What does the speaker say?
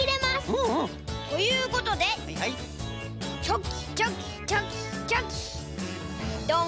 うんうん！ということでチョキチョキチョキチョキドン！